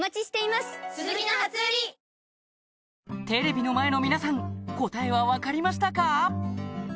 テレビの前の皆さん答えは分かりましたか？